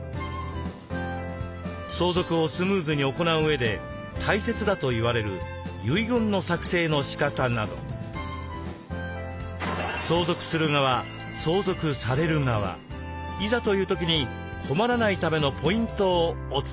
相続をスムーズに行ううえで大切だといわれる遺言の作成のしかたなど相続する側相続される側いざという時に困らないためのポイントをお伝えします。